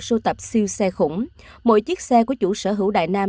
bộ sô tài là một bộ sô tập siêu xe khủng mỗi chiếc xe của chủ sở hữu đại nam